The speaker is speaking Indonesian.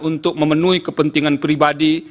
untuk memenuhi kepentingan pribadi